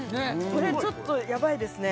これちょっとやばいですね